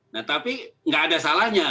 nah tapi nggak ada salahnya